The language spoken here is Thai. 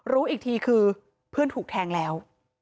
รู้อีกทีคือเพื่อนถูกแทงแล้ว